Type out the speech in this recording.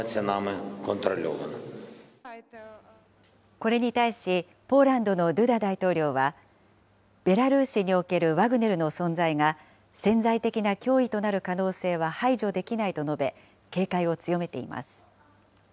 これに対し、ポーランドのドゥダ大統領は、ベラルーシにおけるワグネルの存在が潜在的な脅威となる可能性は排除できないと述べ、警戒を強めています。